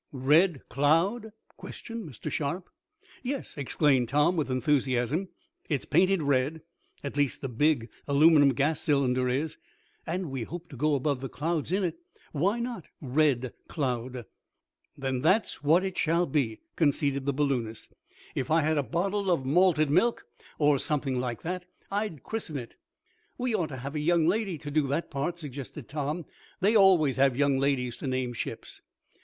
"Red Cloud?" questioned Mr. Sharp. "Yes!" exclaimed Tom, with enthusiasm. "It's painted red at least the big, aluminum gas container is and we hope to go above the clouds in it. Why not Red Cloud?" "That's what it shall be!" conceded the balloonist. "If I had a bottle of malted milk, or something like that, I'd christen it." "We ought to have a young lady to do that part," suggested Tom. "They always have young ladies to name ships."